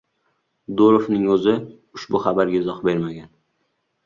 Durovning o‘zi ushbu xabarga izoh bermagan